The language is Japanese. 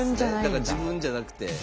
だから自分じゃなくて。